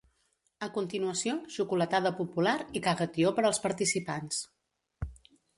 A continuació, xocolatada popular i caga tió per als participants.